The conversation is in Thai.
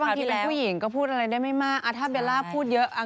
บางทีเป็นผู้หญิงก็พูดอะไรได้ไม่มากถ้าเบลล่าพูดเยอะ